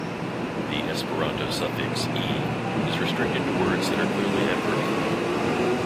The Esperanto suffix "-e" is restricted to words that are clearly adverbial.